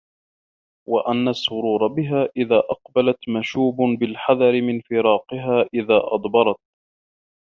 وَأَنَّ السُّرُورَ بِهَا إذَا أَقْبَلَتْ مَشُوبٌ بِالْحَذَرِ مِنْ فِرَاقِهَا إذَا أَدْبَرَتْ